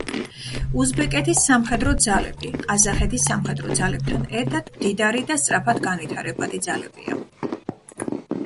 უზბეკეთის სამხედრო ძალები, ყაზახეთის სამხედრო ძალებთან ერთად, მდიდარი და სწრაფად განვითარებადი ძალებია.